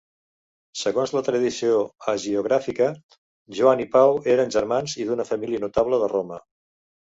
Segons la tradició hagiogràfica, Joan i Pau eren germans i d'una família notable de Roma.